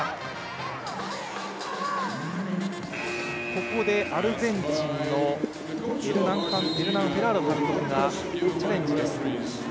ここでアルゼンチンのエルナン・フェラーロ監督がチャレンジです。